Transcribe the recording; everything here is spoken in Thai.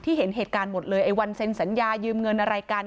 เห็นเหตุการณ์หมดเลยไอ้วันเซ็นสัญญายืมเงินอะไรกัน